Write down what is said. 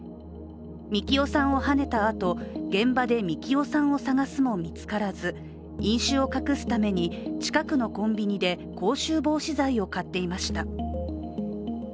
樹生さんをはねたあと、現場で樹生さんを捜すも見つからず、飲酒を隠すために、近くのコンビニで口臭防止剤を買っていました。